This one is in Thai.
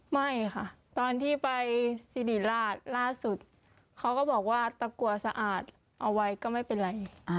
ไม่ค่ะตอนที่ไปสิริราชล่าสุดเขาก็บอกว่าตะกัวสะอาดเอาไว้ก็ไม่เป็นไร